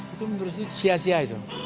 itu menurut saya sia sia itu